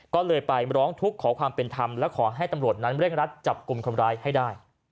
ก็เลยไปร้องทุกข์ขอความเป็นธรรมและขอให้ตำรวจนั้นเร่งรัดจับกลุ่มคนร้ายให้ได้